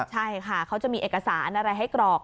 ใช่ค่ะเขาจะมีเอกสารอะไรให้กรอก